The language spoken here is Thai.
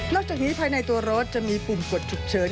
จากนี้ภายในตัวรถจะมีปุ่มกดฉุกเฉิน